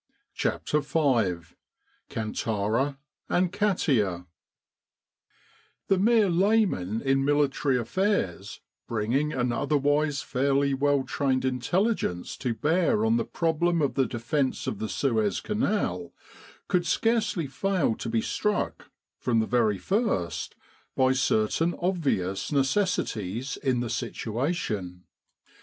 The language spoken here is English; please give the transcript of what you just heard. CHAPTER V KANTARA AND KATIA THE mere layman in military affairs, bringing an otherwise fairly well trained intelligence to bear on the problem of the defence of the Suez Canal, could scarcely fail to be struck, from the very first, by certain obvious necessities in the situation.